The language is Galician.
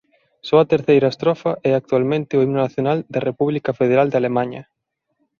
Só a terceira estrofa é actualmente o himno nacional da República Federal de Alemaña.